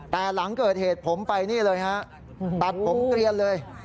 แต่หลังเกิดเหตุผมไปนี่เลยฮะตัดผมเกลียนเลย